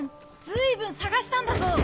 ずいぶん捜したんだぞ。